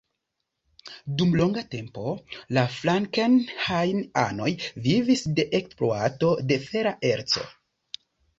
Dum longa tempo la frankenhain-anoj vivis de ekspluato de fera erco.